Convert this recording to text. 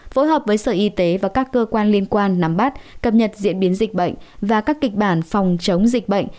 phối hợp với sở y tế và các cơ quan liên quan nắm bắt cập nhật diễn biến dịch bệnh và các kịch bản phòng chống dịch bệnh